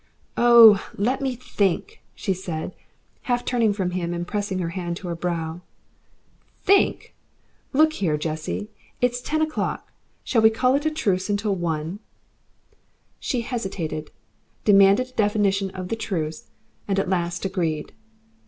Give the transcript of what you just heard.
"Oh! let me think," she said, half turning from him and pressing her hand to her brow. "THINK! Look here, Jessie. It is ten o'clock. Shall we call a truce until one?" She hesitated, demanded a definition of the truce, and at last agreed.